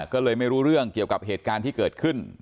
ก็เลยไม่รู้เรื่องเกี่ยวกับเหตุการณ์ที่เกิดขึ้น